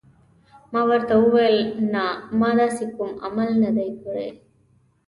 ما ورته وویل: نه، ما داسې کوم عمل نه دی کړی.